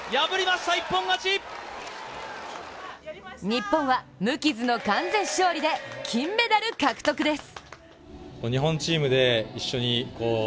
日本は無傷の完全勝利で金メダル獲得です。